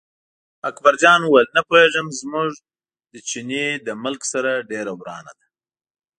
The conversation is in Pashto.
اکبرجان وویل نه پوهېږم، زموږ د چیني له ملک سره ډېره ورانه ده.